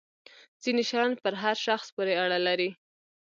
ځینې شیان پر هر شخص پورې اړه لري.